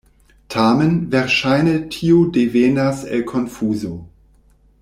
Tamen, verŝajne tio devenas el konfuzo.